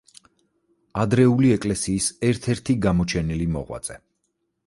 ადრეული ეკლესიის ერთ-ერთი გამოჩენილი მოღვაწე.